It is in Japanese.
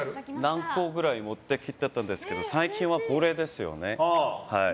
何個くらいか持ってきてたんですけど最近はこれですよね。